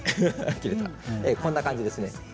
切れた、こんな感じですね。